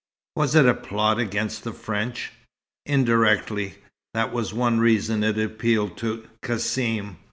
"Was it a plot against the French?" "Indirectly. That was one reason it appealed to Cassim.